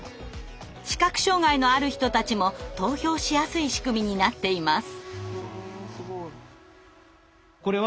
視覚障害のある人たちも投票しやすい仕組みになっています。